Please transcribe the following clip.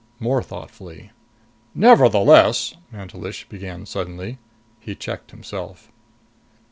More thoughtfully. "Nevertheless " Mantelish began suddenly. He checked himself.